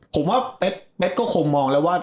ผมว่าเป๊กก็คงมองแล้วว่า